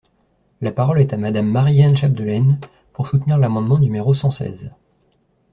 La parole est à Madame Marie-Anne Chapdelaine, pour soutenir l’amendement numéro cent seize.